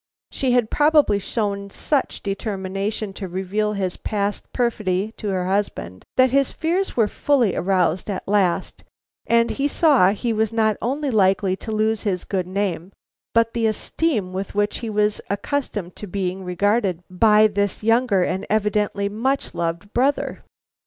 She had probably shown such determination to reveal his past perfidy to her husband, that his fears were fully aroused at last, and he saw he was not only likely to lose his good name but the esteem with which he was accustomed to be regarded by this younger and evidently much loved brother.